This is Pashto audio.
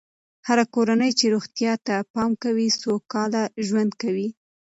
هره کورنۍ چې روغتیا ته پام کوي، سوکاله ژوند کوي.